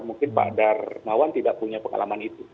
mungkin pak darmawan tidak punya pengalaman itu